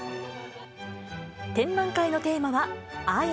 展覧会のテーマは、愛。